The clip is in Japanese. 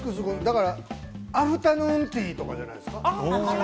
アフタヌーンティーとかじゃないですか？